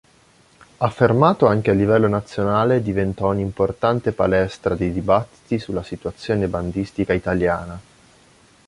Affermato anche a livello nazionale diventò un'importante palestra di dibattiti sulla situazione bandistica italiana.